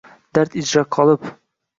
Dard ichra qolib